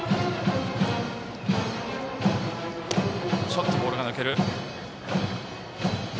ちょっとボールが抜ける。